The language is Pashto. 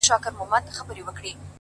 زه د لاسونو د دعا له دايرې وتلی-